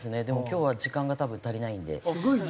でも今日は時間が多分足りないんで。